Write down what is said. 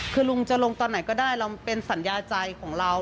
คือลุงจะลงตอนไหนก็ได้เราเป็นสัญญาใจของเรา